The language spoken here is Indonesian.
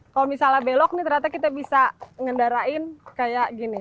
kalau misalnya belok nih ternyata kita bisa ngendarain kayak gini